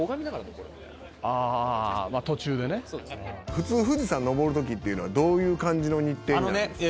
「普通富士山登る時っていうのはどういう感じの日程になるんですか？」